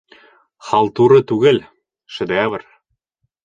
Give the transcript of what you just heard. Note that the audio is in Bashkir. Халтура түгел, шедевр.